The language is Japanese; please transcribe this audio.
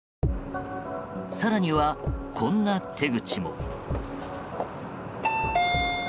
更には、こんな手口も。